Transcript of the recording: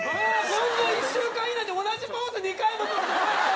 こんな１週間以内で同じポーズ２回も取るなんて。